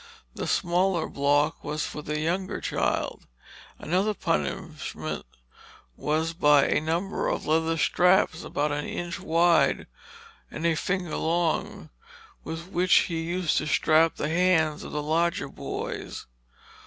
The smaller block was for the younger child. Another punishment was by a number of leathern straps, about an inch wide and a finger long, with which he used to strap the hands of the larger boys."